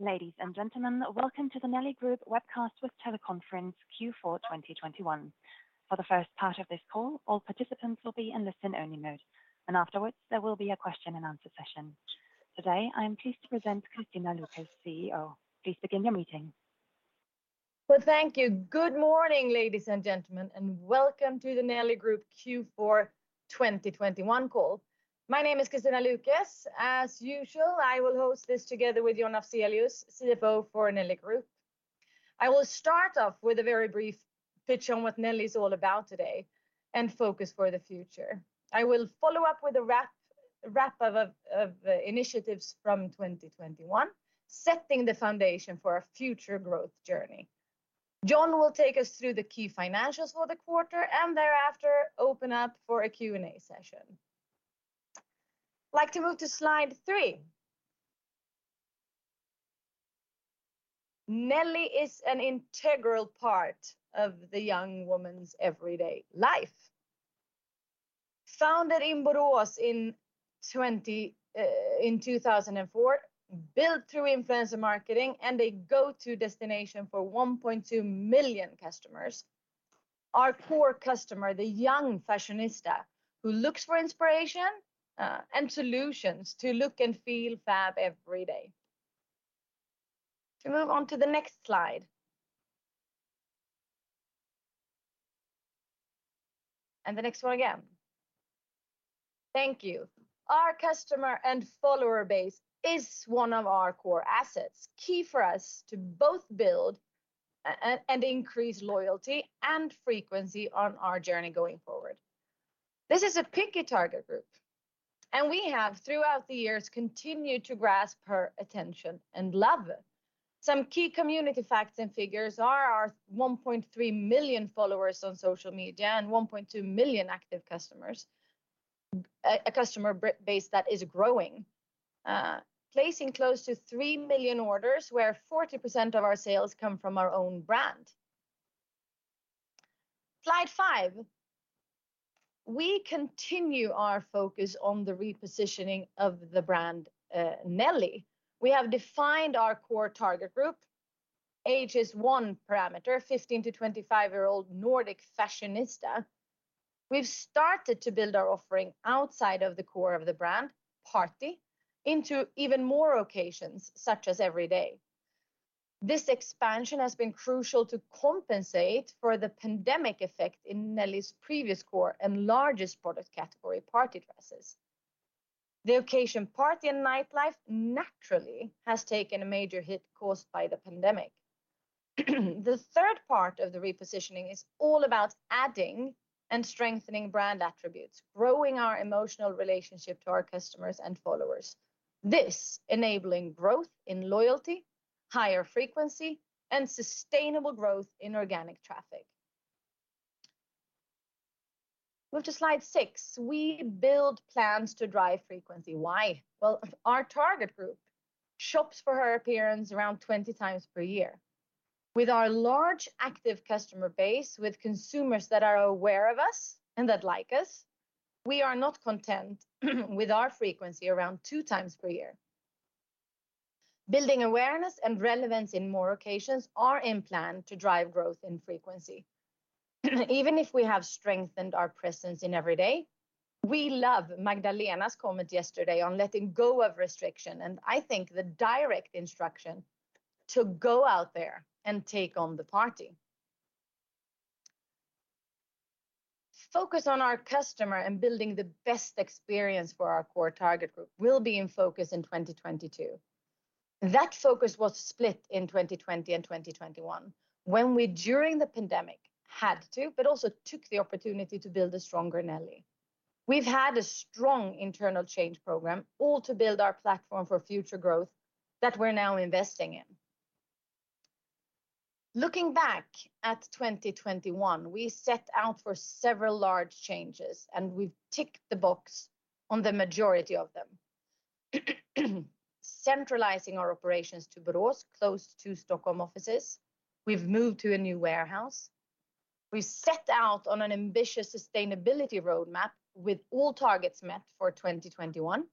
Ladies and gentlemen, welcome to the Nelly Group webcast with teleconference Q4 2021. For the first part of this call, all participants will be in listen-only mode, and afterwards there will be a question and answer session. Today, I am pleased to present Kristina Lukes, CEO. Please begin your meeting. Well, thank you. Good morning, ladies and gentlemen, and welcome to the Nelly Group Q4 2021 call. My name is Kristina Lukes. As usual, I will host this together with John Afzelius, CFO for Nelly Group. I will start off with a very brief pitch on what Nelly is all about today and focus for the future. I will follow up with a wrap of initiatives from 2021, setting the foundation for our future growth journey. John will take us through the key financials for the quarter and thereafter open up for a Q&A session. I'd like to move to slide 3. Nelly is an integral part of the young woman's everyday life. Founded in Borås in 2004, built through influencer marketing, and a go-to destination for 1.2 million customers. Our core customer, the young fashionista who looks for inspiration and solutions to look and feel fab every day. To move on to the next slide. The next one again. Thank you. Our customer and follower base is one of our core assets, key for us to both build and increase loyalty and frequency on our journey going forward. This is a picky target group, and we have, throughout the years, continued to grasp her attention and love it. Some key community facts and figures are our 1.3 million followers on social media and 1.2 million active customers, a customer base that is growing, placing close to 3 million orders where 40% of our sales come from our own brand. Slide five. We continue our focus on the repositioning of the brand, Nelly. We have defined our core target group. Age is one parameter, 15- to 25-year-old Nordic fashionista. We've started to build our offering outside of the core of the brand, party, into even more occasions, such as every day. This expansion has been crucial to compensate for the pandemic effect in Nelly's previous core and largest product category, party dresses. The occasion party and nightlife naturally has taken a major hit caused by the pandemic. The third part of the repositioning is all about adding and strengthening brand attributes, growing our emotional relationship to our customers and followers. This enabling growth in loyalty, higher frequency, and sustainable growth in organic traffic. Move to slide six. We build plans to drive frequency. Why? Well, our target group shops for her appearance around 20 times per year. With our large active customer base, with consumers that are aware of us and that like us, we are not content with our frequency around 2 times per year. Building awareness and relevance in more occasions are in plan to drive growth in frequency. Even if we have strengthened our presence in every day, we love Magdalena's comment yesterday on letting go of restriction, and I think the direct instruction to go out there and take on the party. Focus on our customer and building the best experience for our core target group will be in focus in 2022. That focus was split in 2020 and 2021 when we, during the pandemic, had to, but also took the opportunity to build a stronger Nelly. We've had a strong internal change program, all to build our platform for future growth that we're now investing in. Looking back at 2021, we set out for several large changes, and we've ticked the box on the majority of them. Centralizing our operations to Borås, close to Stockholm offices. We've moved to a new warehouse. We set out on an ambitious sustainability roadmap with all targets met for 2021.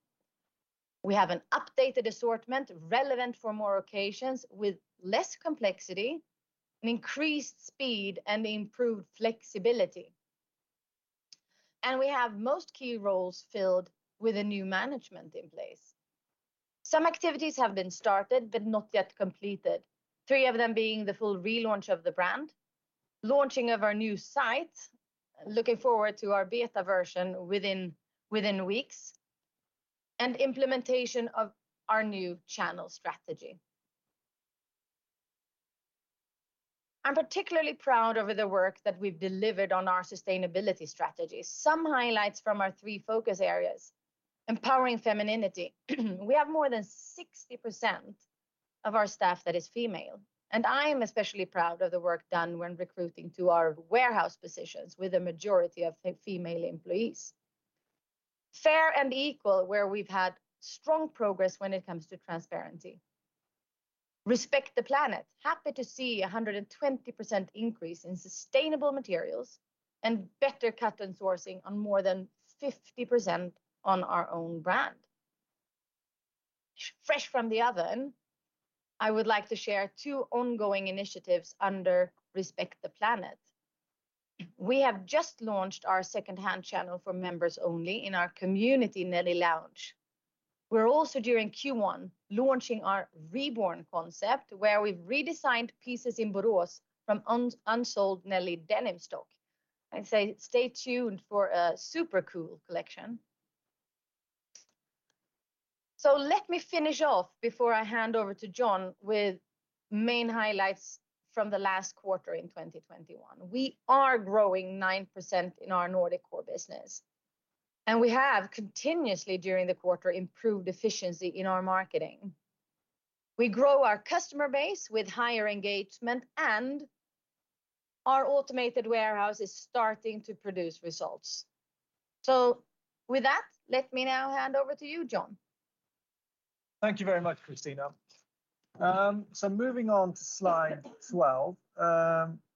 We have an updated assortment relevant for more occasions with less complexity and increased speed and improved flexibility. We have most key roles filled with a new management in place. Some activities have been started but not yet completed, three of them being the full relaunch of the brand, launching of our new site, looking forward to our beta version within weeks, and implementation of our new channel strategy. I'm particularly proud of the work that we've delivered on our sustainability strategy. Some highlights from our three focus areas. Empower Femininity. We have more than 60% of our staff that is female, and I am especially proud of the work done when recruiting to our warehouse positions with a majority of female employees. Fair & Equal, where we've had strong progress when it comes to transparency. Respect the Planet. Happy to see a 120% increase in sustainable materials and Better Cotton sourcing on more than 50% on our own brand. Fresh from the oven, I would like to share two ongoing initiatives under Respect the Planet. We have just launched our second-hand channel for members only in our community Nelly Lounge. We're also, during Q1, launching our Reborn concept, where we've redesigned pieces in Borås from unsold Nelly denim stock. I'd say stay tuned for a super cool collection. Let me finish off before I hand over to John with main highlights from the last quarter in 2021. We are growing 9% in our Nordic core business, and we have continuously during the quarter improved efficiency in our marketing. We grow our customer base with higher engagement and our automated warehouse is starting to produce results. With that, let me now hand over to you, John. Thank you very much, Kristina. So moving on to slide 12,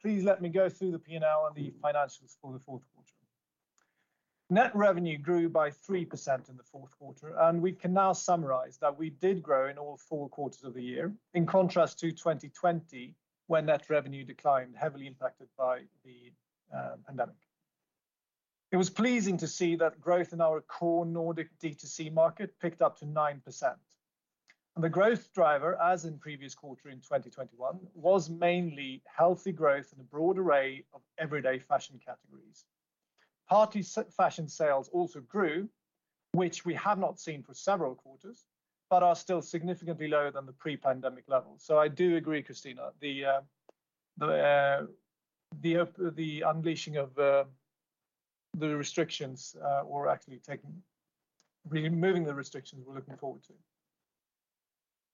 please let me go through the P&L and the financials for the fourth quarter. Net revenue grew by 3% in the fourth quarter, and we can now summarize that we did grow in all four quarters of the year, in contrast to 2020 when net revenue declined, heavily impacted by the pandemic. It was pleasing to see that growth in our core Nordic D2C market picked up to 9%. The growth driver, as in previous quarter in 2021, was mainly healthy growth in a broad array of everyday fashion categories. Party fashion sales also grew, which we have not seen for several quarters, but are still significantly lower than the pre-pandemic levels. I do agree, Kristina, the unleashing of the restrictions or actually removing the restrictions we're looking forward to.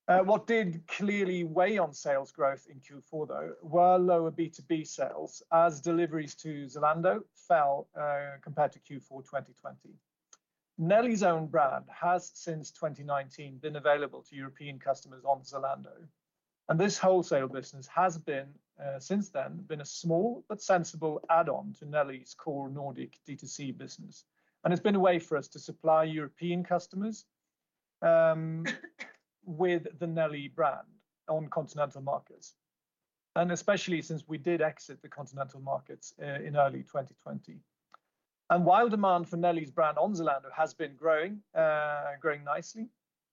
What did clearly weigh on sales growth in Q4 though were lower B2B sales as deliveries to Zalando fell compared to Q4 2020. Nelly's own brand has since 2019 been available to European customers on Zalando, and this wholesale business has been since then a small but sensible add-on to Nelly's core Nordic D2C business. It's been a way for us to supply European customers with the Nelly brand on continental markets, and especially since we did exit the continental markets in early 2020. While demand for Nelly's brand on Zalando has been growing nicely,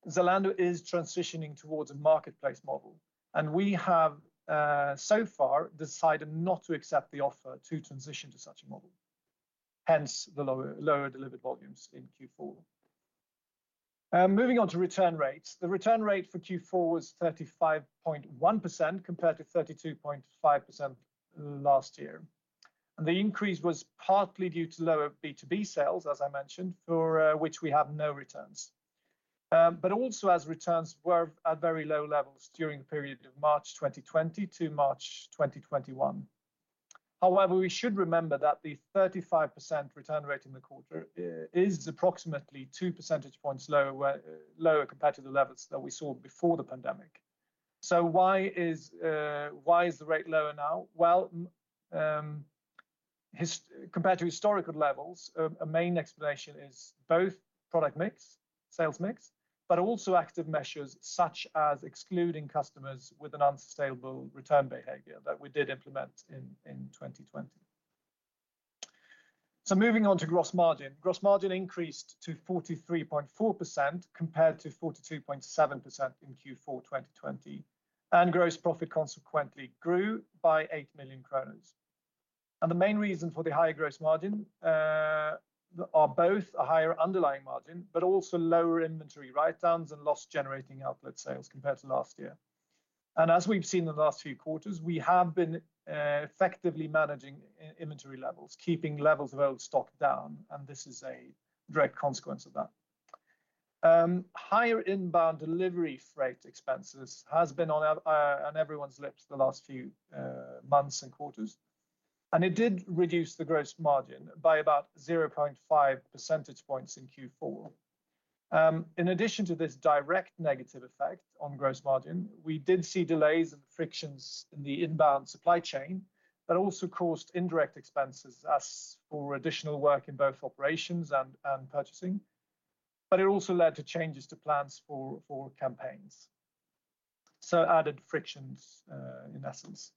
Zalando is transitioning towards a marketplace model, and we have so far decided not to accept the offer to transition to such a model, hence the lower delivered volumes in Q4. Moving on to return rates. The return rate for Q4 was 35.1% compared to 32.5% last year. The increase was partly due to lower B2B sales, as I mentioned, for which we have no returns, but also as returns were at very low levels during the period of March 2020 to March 2021. However, we should remember that the 35% return rate in the quarter is approximately two percentage points lower compared to the levels that we saw before the pandemic. Why is the rate lower now? Well, compared to historical levels, a main explanation is both product mix, sales mix, but also active measures such as excluding customers with an unsustainable return behavior that we did implement in 2020. Moving on to gross margin. Gross margin increased to 43.4% compared to 42.7% in Q4 2020, and gross profit consequently grew by 8 million. The main reason for the higher gross margin are both a higher underlying margin but also lower inventory writedowns and loss generating outlet sales compared to last year. As we've seen in the last few quarters, we have been effectively managing inventory levels, keeping levels of old stock down, and this is a direct consequence of that. Higher inbound delivery freight expenses has been on everyone's lips the last few months and quarters, and it did reduce the gross margin by about 0.5 percentage points in Q4. In addition to this direct negative effect on gross margin, we did see delays and frictions in the inbound supply chain that also caused indirect expenses such as additional work in both operations and purchasing, but it also led to changes to plans for campaigns. Added frictions in essence.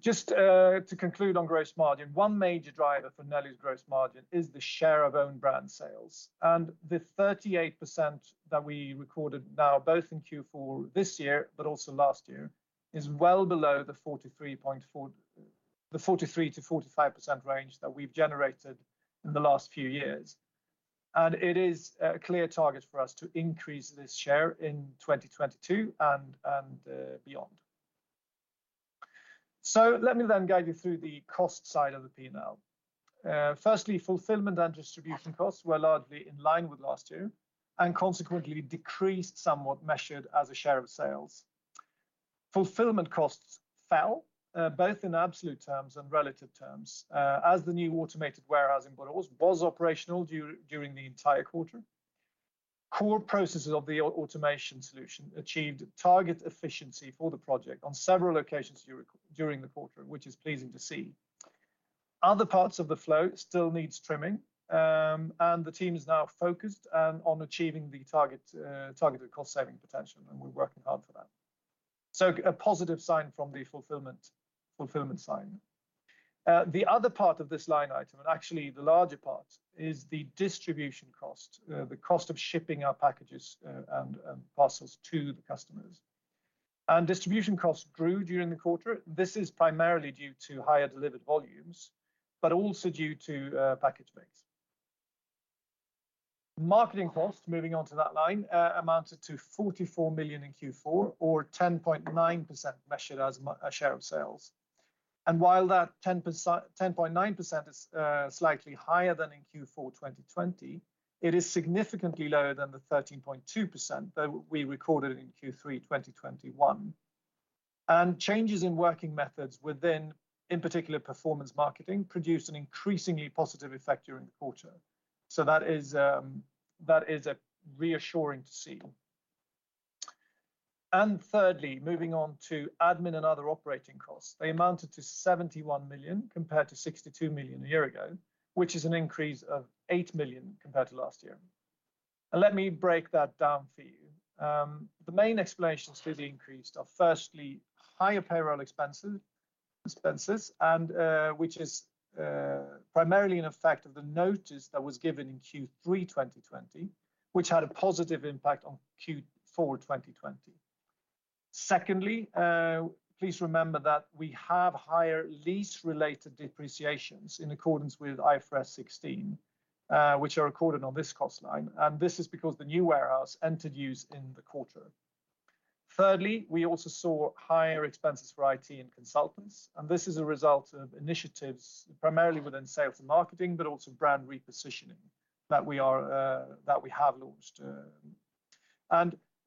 Just to conclude on gross margin, one major driver for Nelly's gross margin is the share of own brand sales, and the 38% that we recorded now both in Q4 this year but also last year, is well below the 43%-45% range that we've generated in the last few years. It is a clear target for us to increase this share in 2022 and beyond. Let me guide you through the cost side of the P&L. Firstly, fulfillment and distribution costs were largely in line with last year, and consequently decreased somewhat measured as a share of sales. Fulfillment costs fell both in absolute terms and relative terms as the new automated warehouse in Borås was operational during the entire quarter. Core processes of the automation solution achieved target efficiency for the project on several occasions during the quarter, which is pleasing to see. Other parts of the flow still needs trimming, and the team is now focused on achieving the target targeted cost-saving potential, and we're working hard for that. A positive sign from the fulfillment side. The other part of this line item, and actually the larger part, is the distribution cost, the cost of shipping our packages and parcels to the customers. Distribution costs grew during the quarter. This is primarily due to higher delivered volumes, but also due to package mix. Marketing cost, moving on to that line, amounted to 44 million in Q4 or 10.9% measured as a share of sales. While that 10.9% is slightly higher than in Q4 2020, it is significantly lower than the 13.2% that we recorded in Q3 2021. Changes in working methods within, in particular performance marketing, produced an increasingly positive effect during the quarter, so that is reassuring to see. Thirdly, moving on to admin and other operating costs. They amounted to 71 million compared to 62 million a year ago, which is an increase of 8 million compared to last year. Let me break that down for you. The main explanations for the increase are firstly, higher payroll expenses and, which is primarily an effect of the notice that was given in Q3 2020, which had a positive impact on Q4 2020. Secondly, please remember that we have higher lease-related depreciations in accordance with IFRS 16, which are recorded on this cost line, and this is because the new warehouse entered use in the quarter. Thirdly, we also saw higher expenses for IT and consultants, and this is a result of initiatives primarily within sales and marketing, but also brand repositioning that we have launched.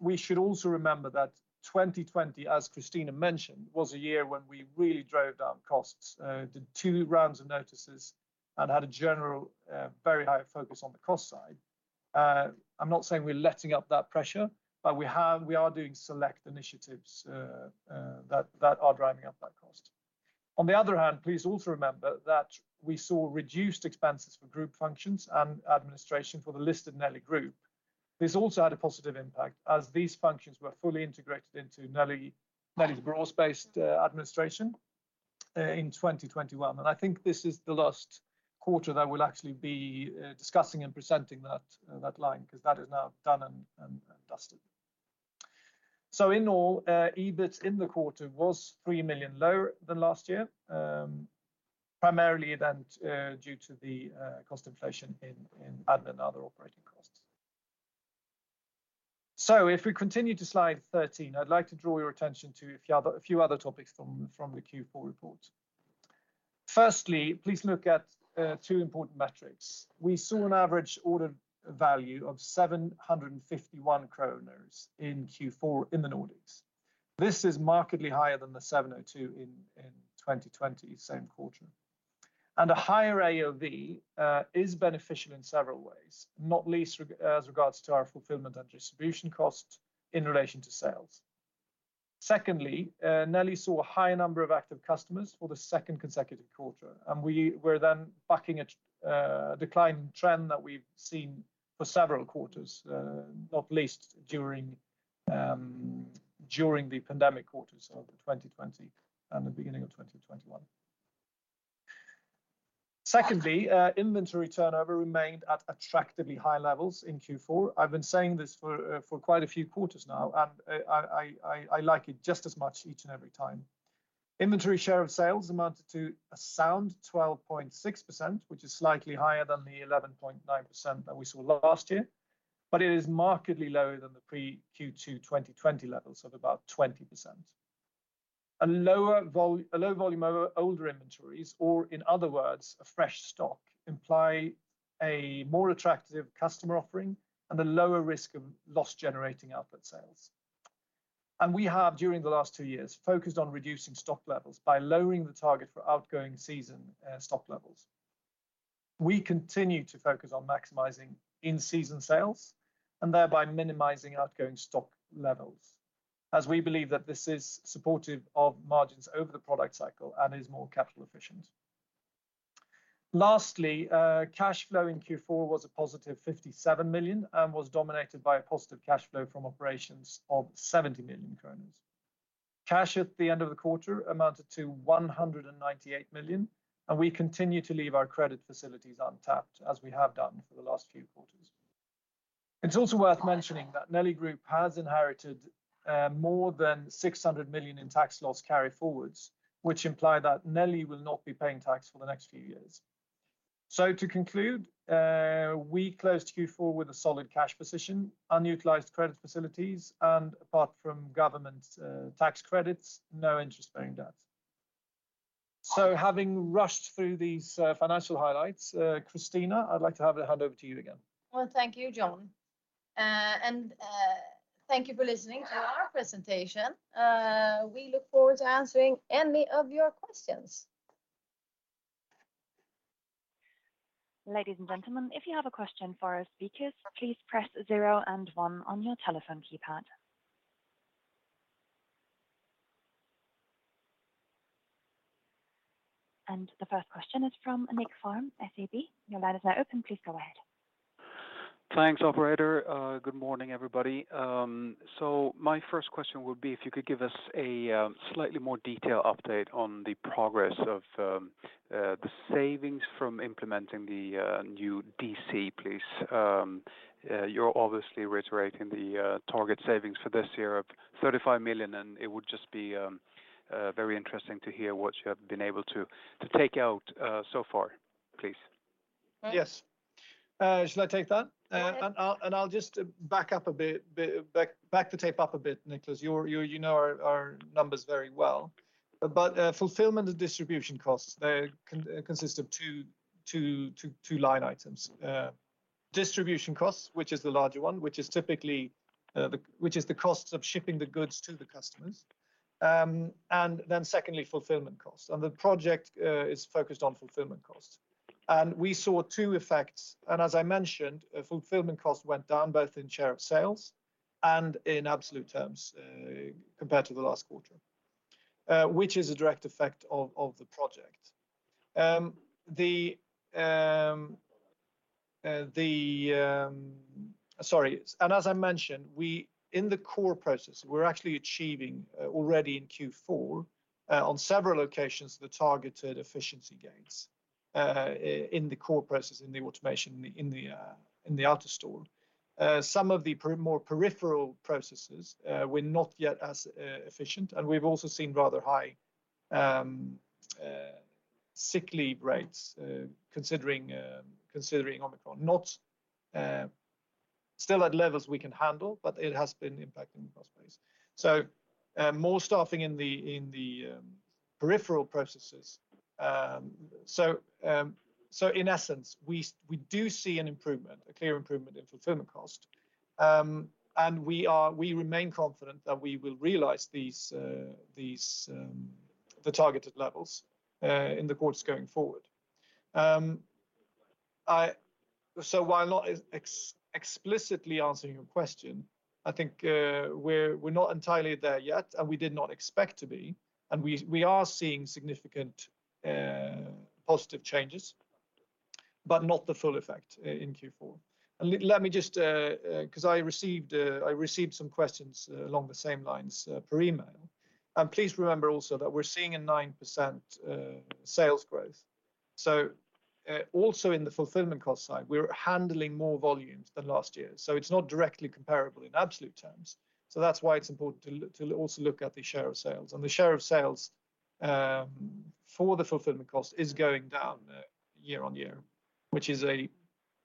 We should also remember that 2020, as Kristina mentioned, was a year when we really drove down costs, did two rounds of notices and had a general very high focus on the cost side. I'm not saying we're letting up that pressure, but we are doing select initiatives that are driving up that cost. On the other hand, please also remember that we saw reduced expenses for group functions and administration for the listed Nelly Group. This also had a positive impact as these functions were fully integrated into Nelly's Borås-based administration in 2021, and I think this is the last quarter that we'll actually be discussing and presenting that line, 'cause that is now done and dusted. In all, EBIT in the quarter was 3 million lower than last year, primarily then due to the cost inflation in admin and other operating costs. If we continue to slide 13, I'd like to draw your attention to a few other topics from the Q4 report. Firstly, please look at two important metrics. We saw an average order value of 751 kronor in Q4 in the Nordics. This is markedly higher than the 702 in 2020 same quarter. A higher AOV is beneficial in several ways, not least regards to our fulfillment and distribution cost in relation to sales. Secondly, Nelly saw a high number of active customers for the second consecutive quarter, and we were then bucking a decline trend that we've seen for several quarters, not least during the pandemic quarters of 2020 and the beginning of 2021. Secondly, inventory turnover remained at attractively high levels in Q4. I've been saying this for quite a few quarters now, and I like it just as much each and every time. Inventory share of sales amounted to a sound 12.6%, which is slightly higher than the 11.9% that we saw last year, but it is markedly lower than the pre-Q2 2020 levels of about 20%. A low volume of older inventories, or in other words, a fresh stock, imply a more attractive customer offering and a lower risk of loss-generating output sales. We have, during the last two years, focused on reducing stock levels by lowering the target for outgoing season stock levels. We continue to focus on maximizing in-season sales and thereby minimizing outgoing stock levels, as we believe that this is supportive of margins over the product cycle and is more capital efficient. Lastly, cash flow in Q4 was a positive 57 million and was dominated by a positive cash flow from operations of 70 million. Cash at the end of the quarter amounted to 198 million, and we continue to leave our credit facilities untapped, as we have done for the last few quarters. It's also worth mentioning that Nelly Group has inherited more than 600 million in tax loss carryforwards, which imply that Nelly will not be paying tax for the next few years. To conclude, we closed Q4 with a solid cash position, unutilized credit facilities, and apart from government tax credits, no interest-bearing debt. Having rushed through these financial highlights, Kristina, I'd like to hand it over to you again. Well, thank you, John. Thank you for listening to our presentation. We look forward to answering any of your questions. Ladies and Gentlemen, if you have a question for our speakers, please press zero and one on your telephone keypad. The first question is from Nicklas Fhärm, SEB. Your line is now open. Please go ahead. Thanks, operator. Good morning, everybody. My first question would be if you could give us a slightly more detailed update on the progress of the savings from implementing the new DC, please. You're obviously reiterating the target savings for this year of 35 million, and it would just be very interesting to hear what you have been able to to take out so far, please. Nick. Yes. Shall I take that? Go ahead. I'll just back up a bit. Back the tape up a bit, Nicklas. You know our numbers very well. Fulfillment and distribution costs consist of two line items. Distribution costs, which is the larger one, which is typically the cost of shipping the goods to the customers, and then secondly, fulfillment costs. The project is focused on fulfillment costs. We saw two effects. As I mentioned, fulfillment costs went down both in share of sales and in absolute terms compared to the last quarter, which is a direct effect of the project. As I mentioned, we, in the core process, are actually achieving already in Q4 on several locations the targeted efficiency gains in the core process, in the automation, in the AutoStore. Some of the more peripheral processes were not yet as efficient, and we have also seen rather high sick leave rates considering Omicron. Still at levels we can handle, but it has been impacting us, please. More staffing in the peripheral processes. In essence, we do see an improvement, a clear improvement in fulfillment cost. We remain confident that we will realize the targeted levels in the quarters going forward. While not explicitly answering your question, I think we're not entirely there yet, and we did not expect to be. We are seeing significant positive changes, but not the full effect in Q4. Let me just 'cause I received some questions along the same lines per email. Please remember also that we're seeing a 9% sales growth. Also in the fulfillment cost side, we're handling more volumes than last year. It's not directly comparable in absolute terms. That's why it's important to also look at the share of sales. The share of sales for the fulfillment cost is going down year-over-year, which is a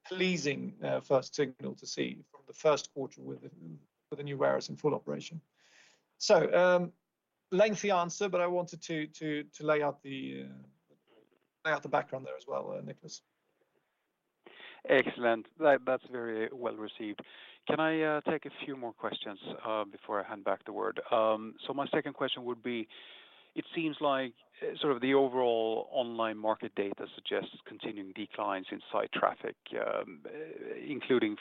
pleasing first signal to see from the first quarter with the new warehouse in full operation. Lengthy answer, but I wanted to lay out the background there as well, Nicklas. Excellent. That's very well received. Can I take a few more questions before I hand back the word? My second question would be, it seems like sort of the overall online market data suggests continuing declines in site traffic, including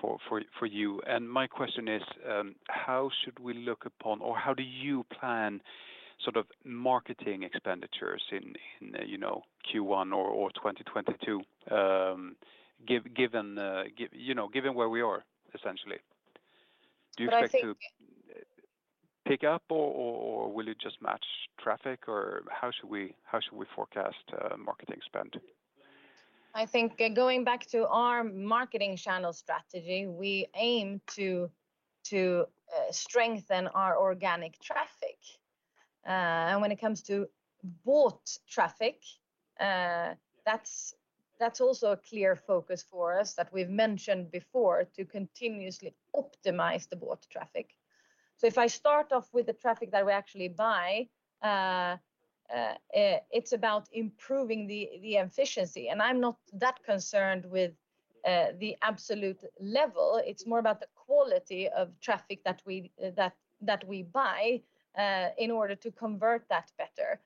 for you. My question is, how should we look upon or how do you plan sort of marketing expenditures in, you know, Q1 or 2022, given where we are, essentially? I think. Do you expect to pick up or will it just match traffic? Or how should we forecast marketing spend? I think, going back to our marketing channel strategy, we aim to strengthen our organic traffic. When it comes to bought traffic, that's also a clear focus for us that we've mentioned before to continuously optimize the bought traffic. If I start off with the traffic that we actually buy, it's about improving the efficiency. I'm not that concerned with the absolute level. It's more about the quality of traffic that we buy in order to convert that better.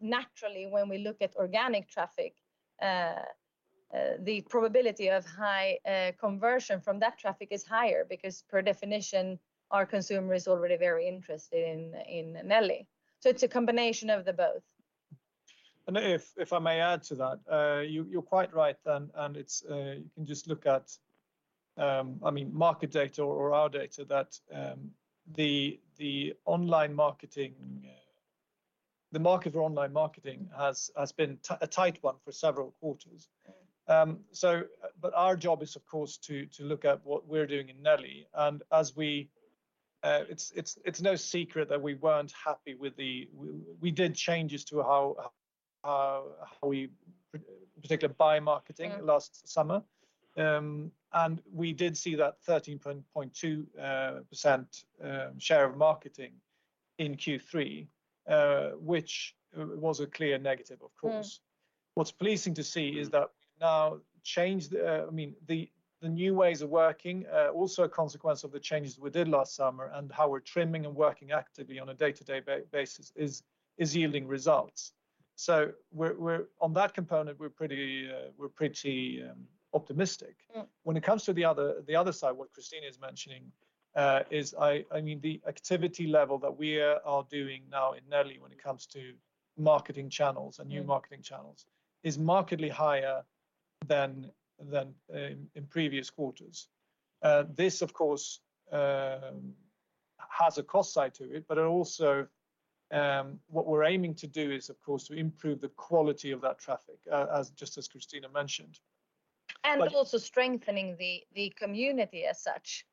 Naturally, when we look at organic traffic, the probability of high conversion from that traffic is higher because per definition, our consumer is already very interested in Nelly. It's a combination of both. If I may add to that, you're quite right, and it's you can just look at, I mean, market data or our data that the online marketing, the market for online marketing has been a tight one for several quarters. Our job is of course to look at what we're doing in Nelly. It's no secret that we weren't happy. We did changes to how we do performance marketing last summer, and we did see that 13.2% share of marketing in Q3, which was a clear negative, of course. What's pleasing to see is that the new ways of working, also a consequence of the changes we did last summer and how we're trimming and working actively on a day-to-day basis, is yielding results. On that component, we're pretty optimistic. When it comes to the other side, what Kristina is mentioning is, I mean, the activity level that we are doing now in Nelly when it comes to marketing channels and new marketing channels is markedly higher than in previous quarters. This of course has a cost side to it, but it also, what we're aiming to do is, of course, to improve the quality of that traffic, as Kristina just mentioned. Also strengthening the community as such.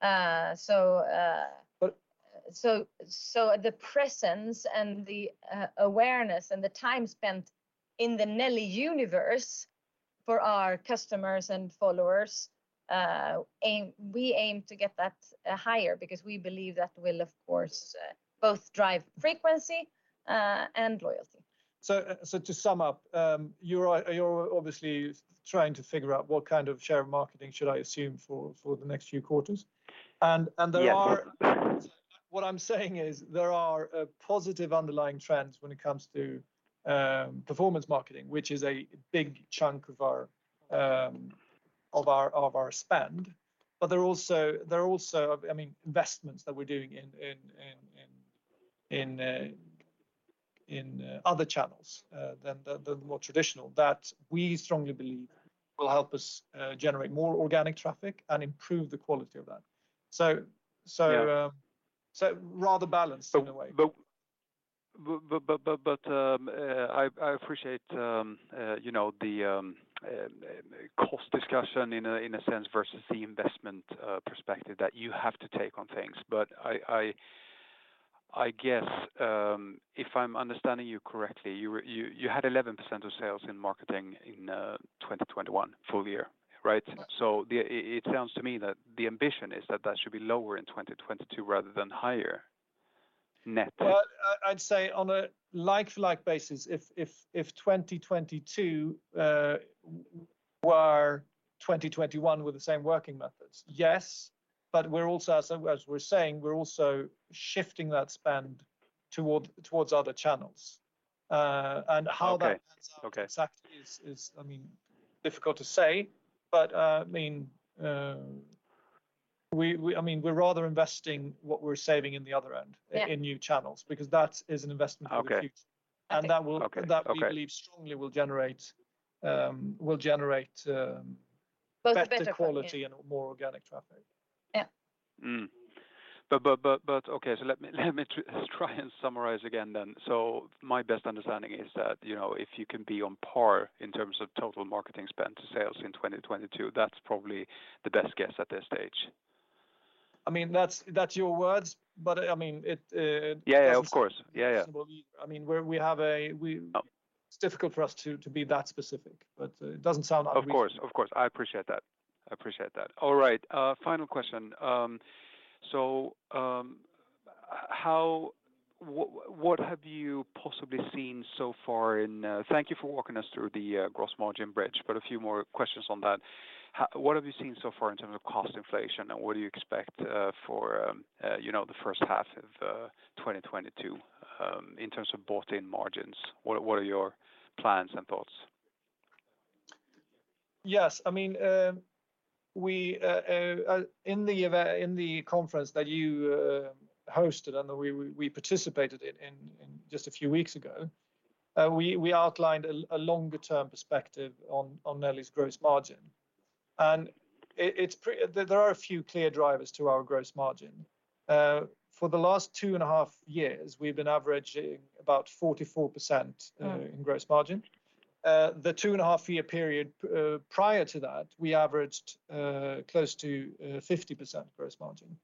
But. The presence and the awareness and the time spent in the Nelly universe for our customers and followers, we aim to get that higher because we believe that will, of course, both drive frequency and loyalty. To sum up, you're obviously trying to figure out what kind of share of marketing should I assume for the next few quarters. There are. Yes. What I'm saying is there are positive underlying trends when it comes to performance marketing, which is a big chunk of our spend. But there are also, I mean, investments that we're doing in other channels than the more traditional that we strongly believe will help us generate more organic traffic and improve the quality of that. Yeah. Rather balanced in a way. I appreciate you know the cost discussion in a sense versus the investment perspective that you have to take on things. I guess if I'm understanding you correctly, you had 11% of sales in marketing in 2021 full year, right? Yes. It sounds to me that the ambition is that should be lower in 2022 rather than higher net. Well, I'd say on a like-for-like basis, if 2022 were 2021 with the same working methods, yes. We're also, as we're saying, shifting that spend toward other channels. How that pans out. Okay. Okay Exactly is, I mean, difficult to say. I mean, we're rather investing what we're saving in the other end. Yeah. In new channels, because that is an investment for the future. Okay. And that will, that we believe strongly will generate Both better quality. Better quality and more organic traffic. Yeah. Mm. Okay, let me try and summarize again then. My best understanding is that, you know, if you can be on par in terms of total marketing spend to sales in 2022, that's probably the best guess at this stage. I mean, that's your words, but I mean it. Yeah, yeah, of course. Yeah, yeah Doesn't sound unreasonable. I mean, we have a we. Oh. It's difficult for us to be that specific, but it doesn't sound unreasonable. Of course. I appreciate that. All right, final question. Thank you for walking us through the gross margin bridge, but a few more questions on that. What have you seen so far in terms of cost inflation, and what do you expect for the first half of 2022 in terms of bought-in margins? What are your plans and thoughts? Yes. I mean, we in the conference that you hosted and we participated in just a few weeks ago, we outlined a longer term perspective on Nelly's gross margin. There are a few clear drivers to our gross margin. For the last two and a half years, we've been averaging about 44%. Mm. In gross margin. The 2.5-year period prior to that, we averaged close to 50% gross margin.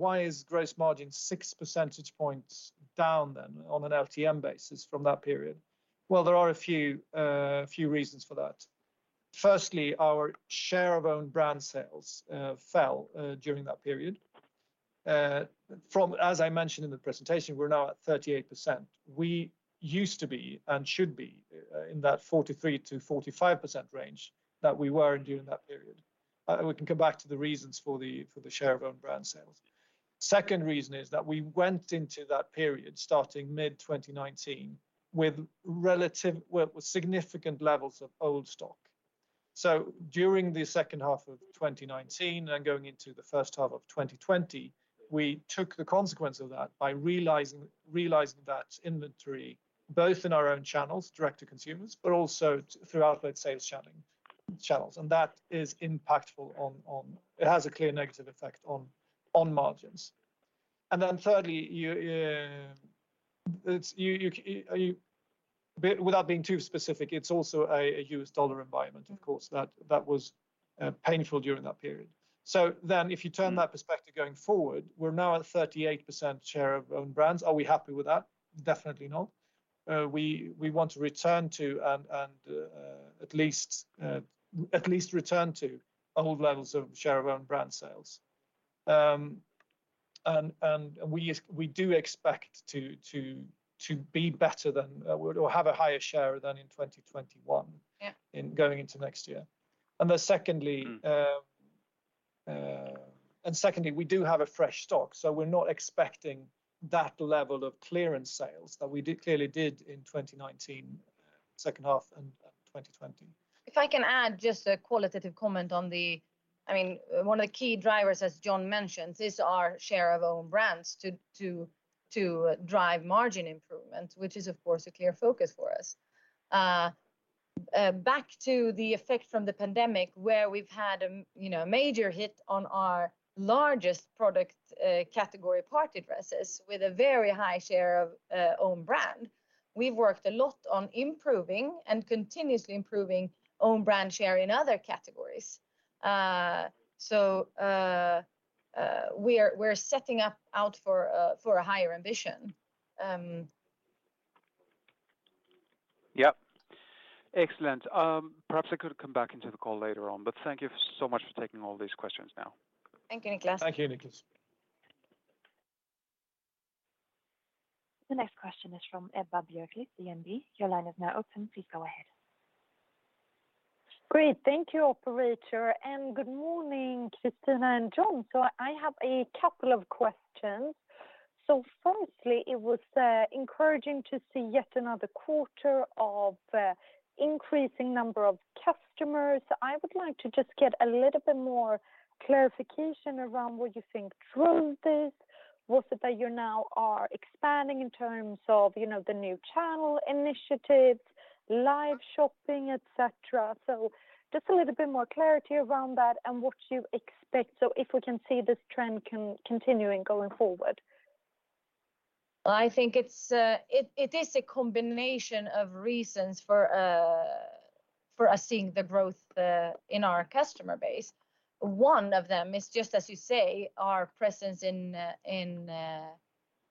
Why is gross margin six percentage points down then on an LTM basis from that period? Well, there are a few reasons for that. Firstly, our share of own brand sales fell during that period. From, as I mentioned in the presentation, we're now at 38%. We used to be and should be in that 43%-45% range that we were in during that period. We can come back to the reasons for the share of own brand sales. Second reason is that we went into that period starting mid-2019 with relatively significant levels of old stock. During the second half of 2019 and going into the H1 of 2020, we took the consequence of that by realizing that inventory both in our own channels, direct to consumers, but also through outlet sales channels, and that is impactful. It has a clear negative effect on margins. Then thirdly, you see, but without being too specific, it's also a US dollar environment, of course, that was painful during that period. If you turn that perspective going forward, we're now at 38% share of own brands. Are we happy with that? Definitely not. We want to return to and at least return to old levels of share of own brand sales. We do expect to be better than. We'll have a higher share than in 2021. Yeah. In going into next year. Secondly, we do have a fresh stock, so we're not expecting that level of clearance sales that we clearly did in 2019, H2 and 2020. If I can add just a qualitative comment on the, I mean, one of the key drivers, as John mentioned, is our share of own brands to drive margin improvement, which is of course a clear focus for us. Back to the effect from the pandemic where we've had, you know, a major hit on our largest product category party dresses with a very high share of own brand. We've worked a lot on improving and continuously improving own brand share in other categories. We're setting out for a higher ambition. Yep. Excellent. Perhaps I could come back into the call later on, but thank you so much for taking all these questions now. Thank you, Nicklas. Thank you, Nicklas. The next question is from Ebba Björklid, DNB. Your line is now open. Please go ahead. Great. Thank you, operator, and good morning, Kristina and John. I have a couple of questions. Firstly, it was encouraging to see yet another quarter of increasing number of customers. I would like to just get a little bit more clarification around what you think drove this. Was it that you now are expanding in terms of, you know, the new channel initiatives, live shopping, et cetera? Just a little bit more clarity around that and what you expect so if we can see this trend continuing going forward. I think it is a combination of reasons for us seeing the growth in our customer base. One of them is just as you say, our presence in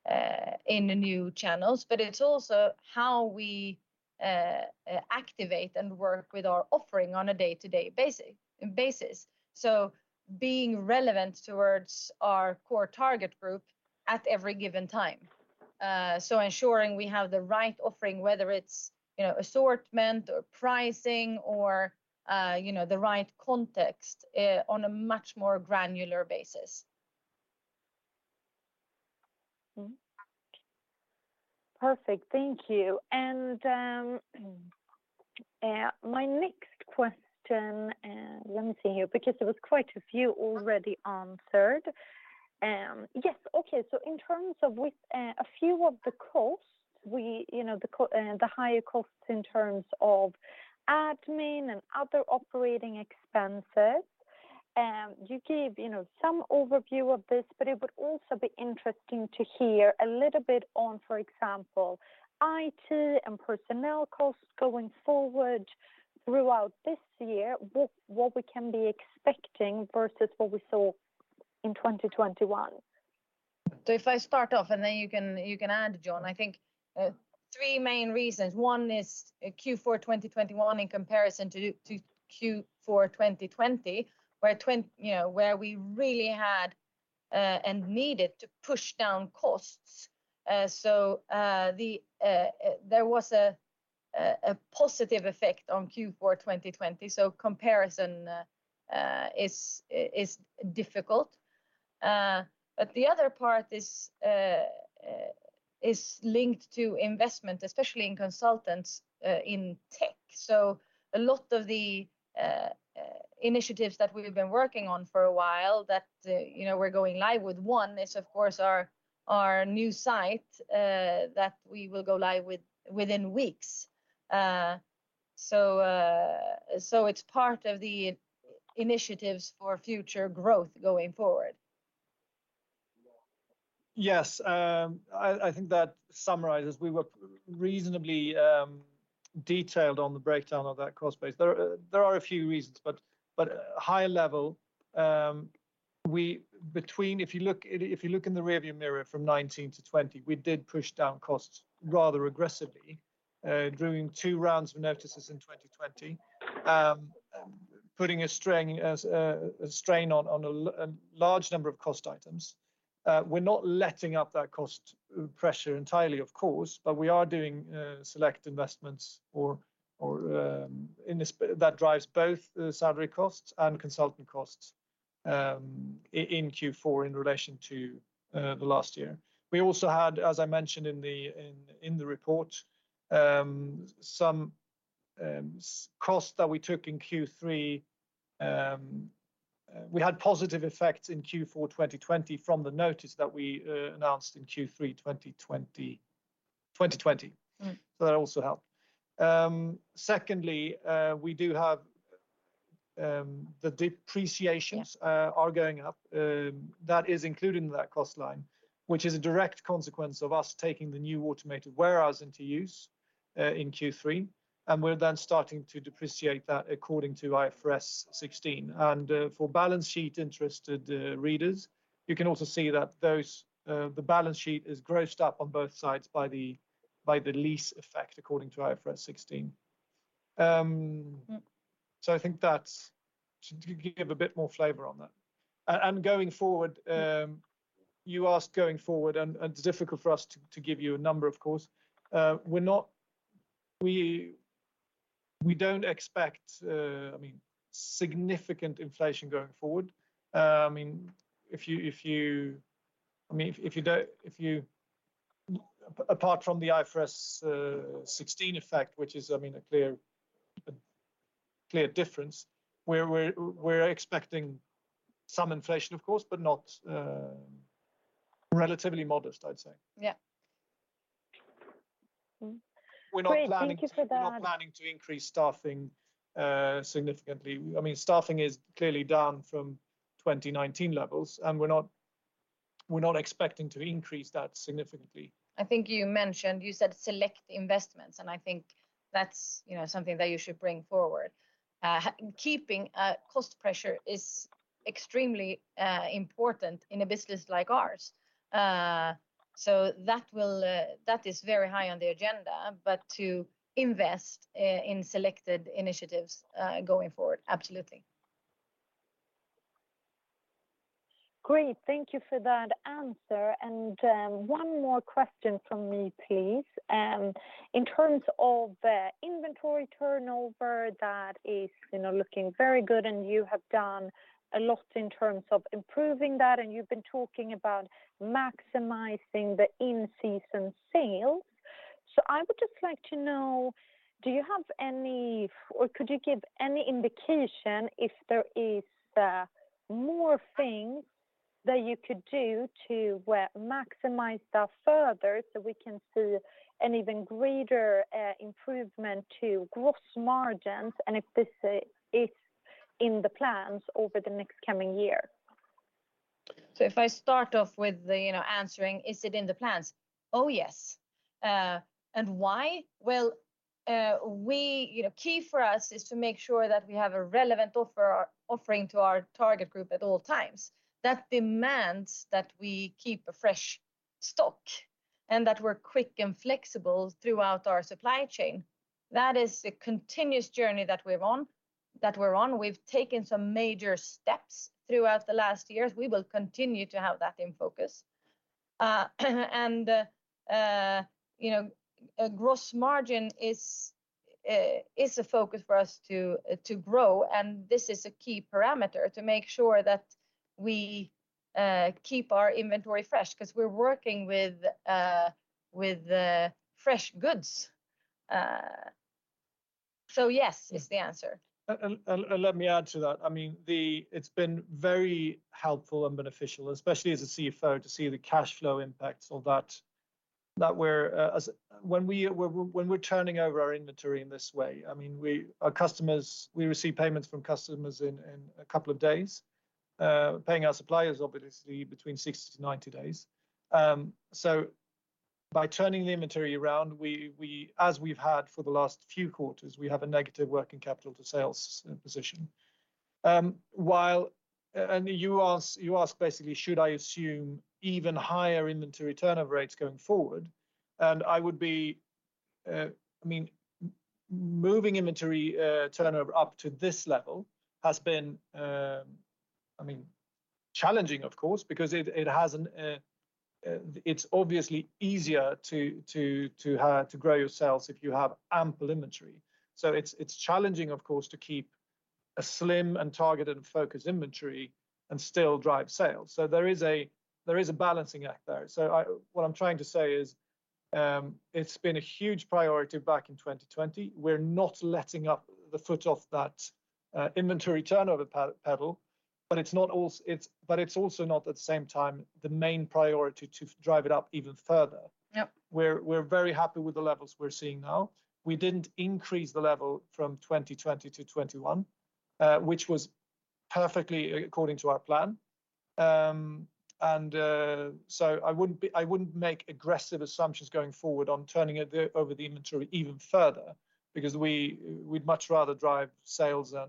the new channels, but it's also how we activate and work with our offering on a day-to-day basis. Being relevant towards our core target group at every given time. Ensuring we have the right offering, whether it's, you know, assortment or pricing or, you know, the right context on a much more granular basis. Perfect. Thank you. My next question, let me see here, because there was quite a few already answered. Yes. Okay. In terms of a few of the costs, you know, the higher costs in terms of admin and other operating expenses, you gave, you know, some overview of this, but it would also be interesting to hear a little bit on, for example, IT and personnel costs going forward throughout this year, what we can be expecting versus what we saw in 2021. If I start off and then you can add, John. I think three main reasons. One is Q4 2021 in comparison to Q4 2020, you know, where we really had and needed to push down costs. There was a positive effect on Q4 2020, so comparison is difficult. But the other part is linked to investment, especially in consultants in tech. A lot of the initiatives that we've been working on for a while that you know, we're going live with. One is of course our new site that we will go live with within weeks. It's part of the initiatives for future growth going forward. Yes. I think that summarizes. We were reasonably detailed on the breakdown of that cost base. There are a few reasons, but high level, if you look in the rearview mirror from 2019 to 2020, we did push down costs rather aggressively, doing two rounds of notices in 2020, putting a strain on a large number of cost items. We're not letting up that cost pressure entirely of course, but we are doing select investments that drives both the salary costs and consultant costs in Q4 in relation to the last year. We also had, as I mentioned in the report, some costs that we took in Q3. We had positive effects in Q4 2020 from the notice that we announced in Q3 2020. Mm-hmm. That also helped. Secondly, we do have the depreciations. Yeah. Are going up. That is including that cost line, which is a direct consequence of us taking the new automated warehouse into use, in Q3, and we're then starting to depreciate that according to IFRS 16. For balance sheet-interested readers, you can also see that the balance sheet is grossed up on both sides by the lease effect according to IFRS 16. Mm. I think that should give a bit more flavor on that. Going forward, you asked going forward and it's difficult for us to give you a number, of course. We don't expect, I mean, significant inflation going forward. Apart from the IFRS 16 effect, which is, I mean, a clear difference, we're expecting some inflation, of course, but relatively modest, I'd say. Yeah. We're not planning. Great. Thank you for that. We're not planning to increase staffing significantly. I mean, staffing is clearly down from 2019 levels, and we're not expecting to increase that significantly. I think you mentioned, you said select investments, and I think that's, you know, something that you should bring forward. Keeping cost pressure is extremely important in a business like ours. That is very high on the agenda, but to invest in selected initiatives going forward, absolutely. Great. Thank you for that answer. One more question from me, please. In terms of inventory turnover that is, you know, looking very good, and you have done a lot in terms of improving that, and you've been talking about maximizing the in-season sales. I would just like to know, do you have any or could you give any indication if there is more things that you could do to maximize that further so we can see an even greater improvement to gross margins and if this is in the plans over the next coming year? If I start off with, you know, answering, is it in the plans? Oh, yes. Why? Well, we. You know, key for us is to make sure that we have a relevant offering to our target group at all times. That demands that we keep a fresh stock and that we're quick and flexible throughout our supply chain. That is a continuous journey that we're on. We've taken some major steps throughout the last years. We will continue to have that in focus. You know, a gross margin is a focus for us to grow, and this is a key parameter to make sure that we keep our inventory fresh 'cause we're working with fresh goods. Yes is the answer. Let me add to that. I mean, it's been very helpful and beneficial, especially as a CFO, to see the cash flow impacts of that when we're turning over our inventory in this way. I mean, we receive payments from our customers in a couple of days, paying our suppliers obviously between 60-90 days. By turning the inventory around, as we've had for the last few quarters, we have a negative working capital to sales position. While you ask basically should I assume even higher inventory turnover rates going forward, and I would be I mean, moving inventory turnover up to this level has been, I mean, challenging of course because it's obviously easier to grow your sales if you have ample inventory. It's challenging of course to keep a slim and targeted and focused inventory and still drive sales. There is a balancing act there. What I'm trying to say is, it's been a huge priority back in 2020. We're not taking the foot off that inventory turnover pedal, but it's also not at the same time the main priority to drive it up even further. Yep. We're very happy with the levels we're seeing now. We didn't increase the level from 2020 to 2021, which was perfectly according to our plan. I wouldn't make aggressive assumptions going forward on turning it over the inventory even further because we'd much rather drive sales and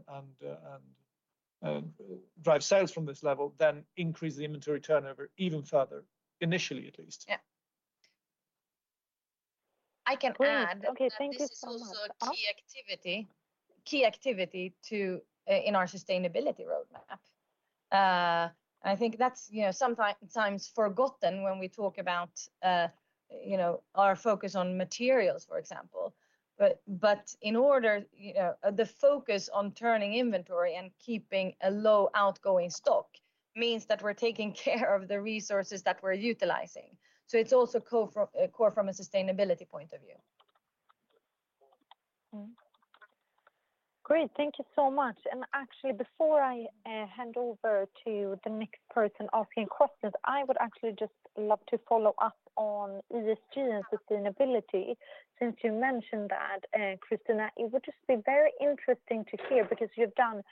drive sales from this level than increase the inventory turnover even further, initially at least. Yeah. I can add. Great. Okay. Thank you so much. That this is also a key activity in our sustainability roadmap. I think that's, you know, sometimes forgotten when we talk about, you know, our focus on materials, for example. In order, you know, the focus on turning inventory and keeping a low outgoing stock means that we're taking care of the resources that we're utilizing. It's also core from a sustainability point of view. Great. Thank you so much. Actually, before I hand over to the next person asking questions, I would actually just love to follow up on ESG and sustainability since you mentioned that, Kristina. It would just be very interesting to hear because you've done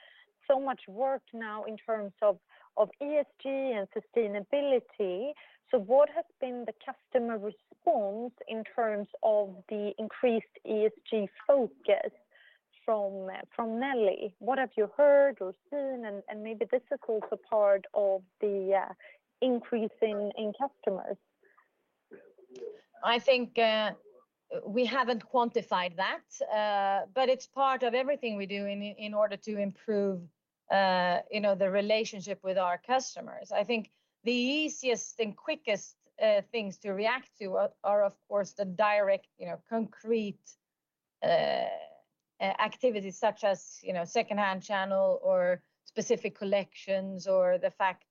so much work now in terms of ESG and sustainability. What has been the customer response in terms of the increased ESG focus from Nelly? What have you heard or seen? Maybe this is also part of the increase in customers. I think we haven't quantified that, but it's part of everything we do in order to improve, you know, the relationship with our customers. I think the easiest and quickest things to react to are, of course, the direct, you know, concrete activities such as, you know, secondhand channel or specific collections or the fact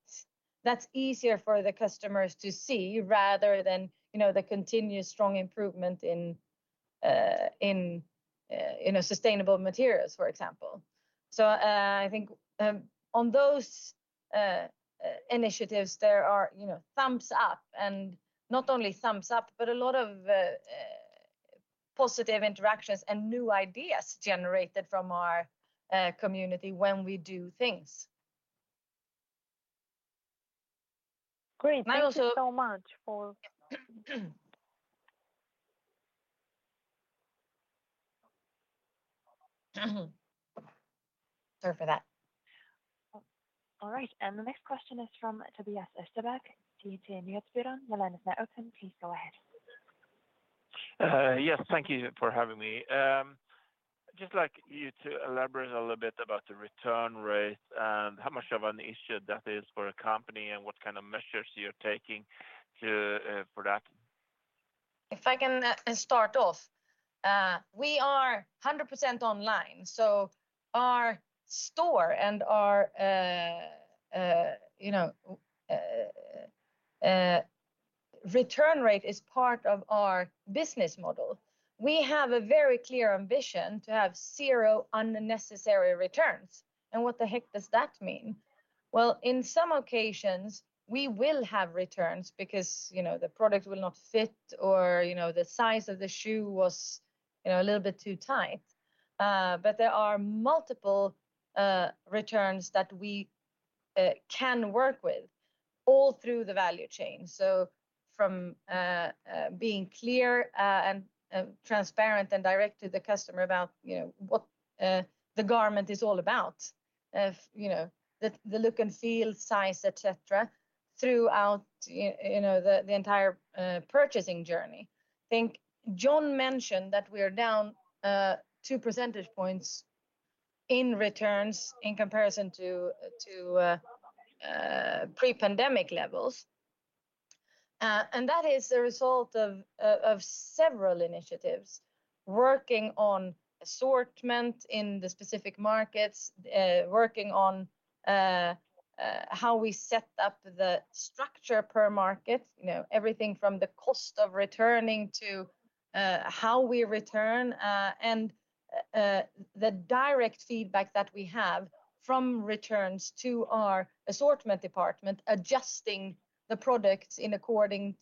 that's easier for the customers to see rather than, you know, the continuous strong improvement in sustainable materials, for example. I think on those initiatives, there are, you know, thumbs up, and not only thumbs up, but a lot of positive interactions and new ideas generated from our community when we do things. Great. Thank you so much for. Sorry for that. All right. The next question is from Tobias Österberg, TT Nyhetsbyrån. Your line is now open. Please go ahead. Yes. Thank you for having me. I'd just like you to elaborate a little bit about the return rate and how much of an issue that is for a company and what kind of measures you're taking for that. If I can start off, we are 100% online, so our store and our you know return rate is part of our business model. We have a very clear ambition to have zero unnecessary returns. What the heck does that mean? Well, in some occasions, we will have returns because you know the product will not fit or you know the size of the shoe was you know a little bit too tight. But there are multiple returns that we can work with all through the value chain. From being clear and transparent and direct to the customer about you know what the garment is all about, you know the look and feel, size, et cetera, throughout you know the entire purchasing journey. I think John mentioned that we are down 2 percentage points in returns in comparison to pre-pandemic levels. That is the result of several initiatives working on assortment in the specific markets, working on how we set up the structure per market, you know, everything from the cost of returning to how we return, and the direct feedback that we have from returns to our assortment department, adjusting the products according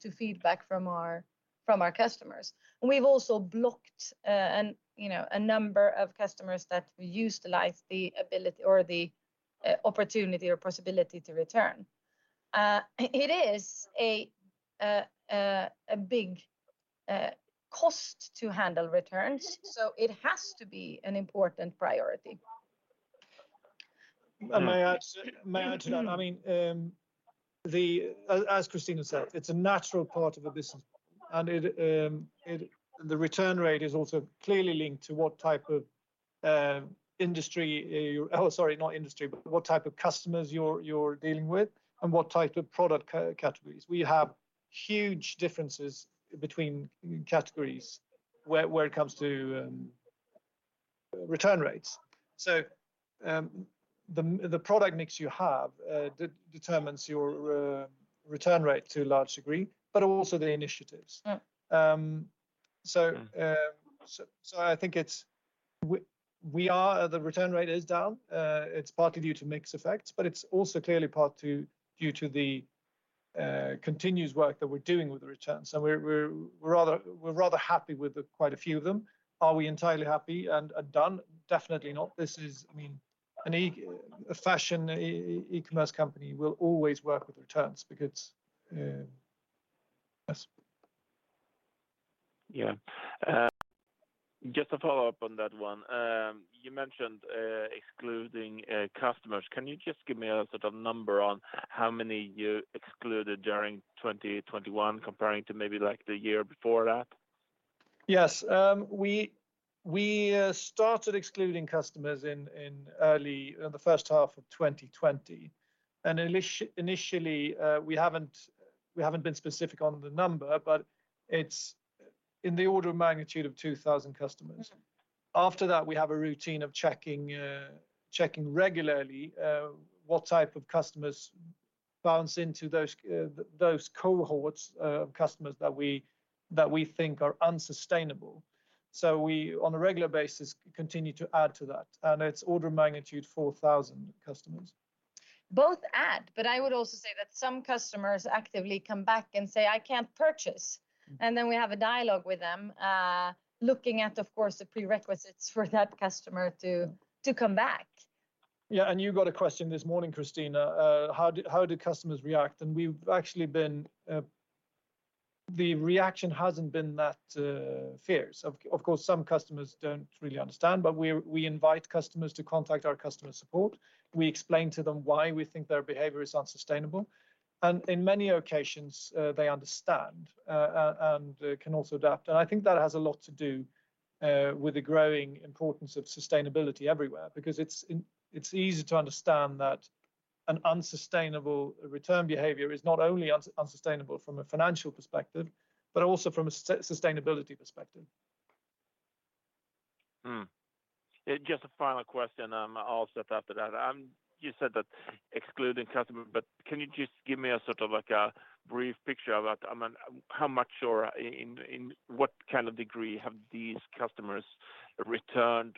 to feedback from our customers. We've also blocked, you know, a number of customers that utilize the ability or the opportunity or possibility to return. It is a big cost to handle returns, so it has to be an important priority. May I add to that? I mean, as Kristina said, it's a natural part of a business, and it, the return rate is also clearly linked to what type of customers you're dealing with and what type of product categories. We have huge differences between categories where it comes to return rates. The product mix you have determines your return rate to a large degree, but also the initiatives. Yeah. The return rate is down. It's partly due to mix effects, but it's also clearly due to the continuous work that we're doing with the returns. We're rather happy with quite a few of them. Are we entirely happy and done? Definitely not. This is, I mean, a fashion e-commerce company will always work with returns because that's. Yeah. Just to follow up on that one, you mentioned excluding customers. Can you just give me a sort of number on how many you excluded during 2021 comparing to maybe, like, the year before that? Yes. We started excluding customers in the H1 of 2020. Initially, we haven't been specific on the number, but it's in the order of magnitude of 2000 customers. After that, we have a routine of checking regularly what type of customers bounce into those cohorts of customers that we think are unsustainable. We, on a regular basis, continue to add to that, and it's order of magnitude 4000 customers. Both add, but I would also say that some customers actively come back and say, "I can't purchase". Mm. We have a dialogue with them, looking at, of course, the prerequisites for that customer to come back. Yeah. You got a question this morning, Kristina, how do customers react? The reaction hasn't been that fierce. Of course, some customers don't really understand, but we invite customers to contact our customer support. We explain to them why we think their behavior is unsustainable, and in many occasions, they understand and can also adapt. I think that has a lot to do with the growing importance of sustainability everywhere because it's easy to understand that an unsustainable return behavior is not only unsustainable from a financial perspective, but also from a sustainability perspective. Just a final question, I'll ask after that. You said that excluding customer, but can you just give me a sort of like a brief picture about, I mean, how much or in what kind of degree have these customers returned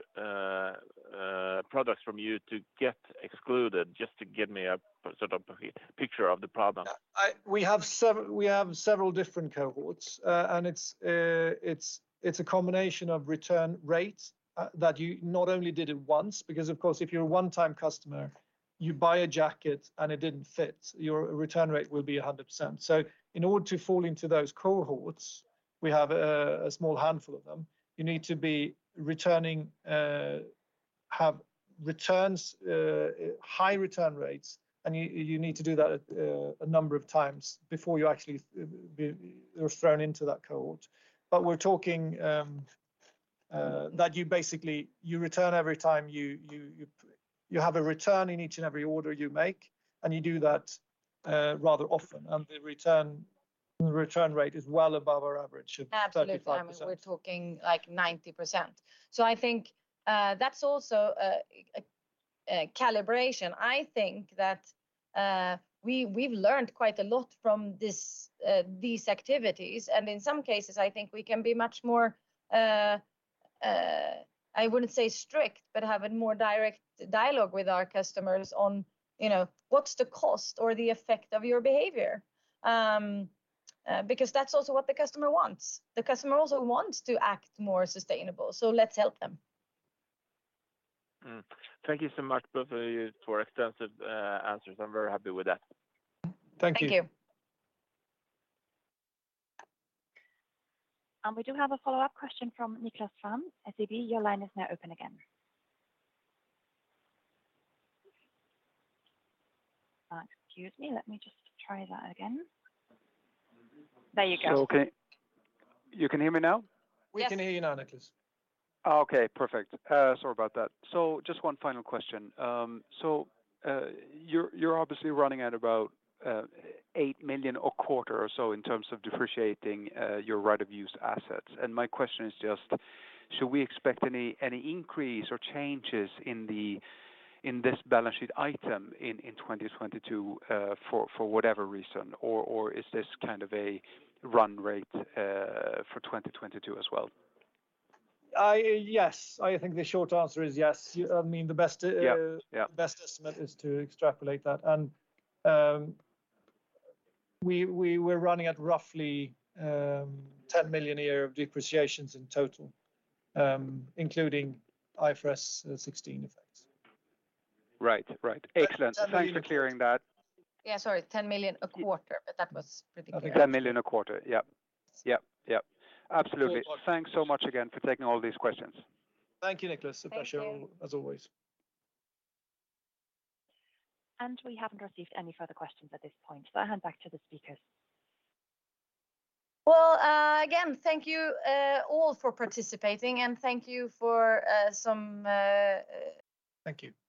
products from you to get excluded? Just to give me a sort of picture of the problem. We have several different cohorts. It's a combination of return rates that you not only did it once because, of course, if you're a one-time customer, you buy a jacket and it didn't fit, your return rate will be 100%. In order to fall into those cohorts, we have a small handful of them. You need to be returning, have returns, high return rates, and you need to do that a number of times before you actually thrown into that cohort. We're talking that you basically, you return every time you have a return in each and every order you make, and you do that rather often. The return rate is well above our average of 35%. Absolutely. We're talking like 90%. I think that's also a calibration. I think that we've learned quite a lot from these activities, and in some cases, I think we can be much more. I wouldn't say strict, but have a more direct dialogue with our customers on, you know, what's the cost or the effect of your behavior. Because that's also what the customer wants. The customer also wants to act more sustainable, so let's help them. Thank you so much both of you for extensive answers. I'm very happy with that. Thank you. Thank you. We do have a follow-up question from Nicklas Fhärm, SEB. Your line is now open again. Excuse me. Let me just try that again. There you go. You can hear me now? Yes. We can hear you now, Nicklas. Okay. Perfect. Just one final question. You're obviously running at about 8 million a quarter or so in terms of depreciating your right of use assets. My question is just, should we expect any increase or changes in this balance sheet item in 2022 for whatever reason? Or is this kind of a run rate for 2022 as well? Yes. I think the short answer is yes. You know what I mean? Yep. Yep. The best estimate is to extrapolate that. We're running at roughly 10 million a year of depreciations in total, including IFRS 16 effects. Right. Excellent. Thanks for clearing that. Yeah. Sorry, 10 million a quarter, but that was pretty clear. 10 million a quarter. Yep. Absolutely. Thank you. Thanks so much again for taking all these questions. Thank you, Nicklas. Thank you. Appreciate it, as always. We haven't received any further questions at this point, so I hand back to the speakers. Well, again, thank you all for participating, and thank you for some. Thank you.